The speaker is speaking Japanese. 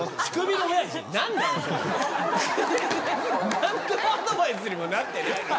何のアドバイスにもなってない。